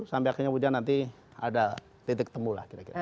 sampai akhirnya hujan nanti ada titik temu lah kira kira